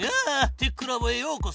テックラボへようこそ。